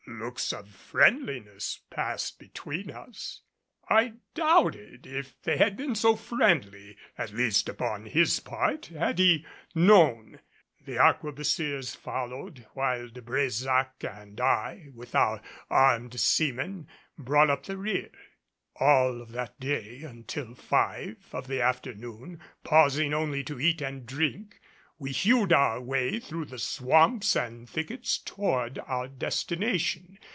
Looks of friendliness passed between us. I doubted if they had been so friendly, at least upon his part, had he known. The arquebusiers followed, while De Brésac and I with our armed seamen brought up the rear. All of that day until five of the afternoon, pausing only to eat and drink, we hewed our way through the swamps and thickets toward our destination.